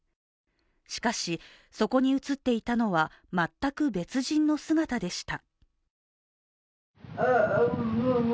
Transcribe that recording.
しかし、そこに映っていたのは全く別人の姿でした。